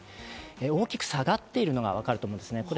大きく下がっているのがわかると思います。